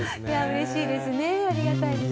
うれしいですねありがたいですね。